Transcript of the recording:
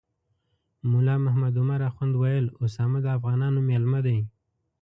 ملا محمد عمر اخند ویل اسامه د افغانانو میلمه دی.